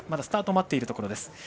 スタートを待っているところです。